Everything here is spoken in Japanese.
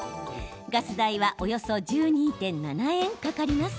ガス代はおよそ１２．７円かかります。